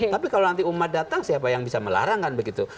tapi kalau nanti umat datang siapa yang bisa melarang kan begitu